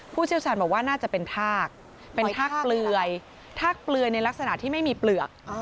เชี่ยวชาญบอกว่าน่าจะเป็นทากเป็นทากเปลือยทากเปลือยในลักษณะที่ไม่มีเปลือก